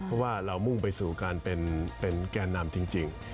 เพราะว่าเรามุ่งไปสู่การเป็นแก่นำจริง